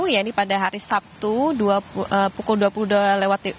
ya ini pada hari sabtu pukul dua puluh dua lewat sembilan belas